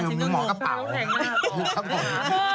คือมันเหมาะกับเปล่านะครับคือเหมาะกับเปล่าครับผม